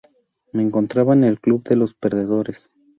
Me encontraba en el club de los perdedores".